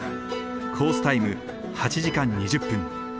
コースタイム８時間２０分。